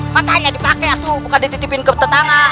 matanya dipakai aduh bukan dititipin ke tetangga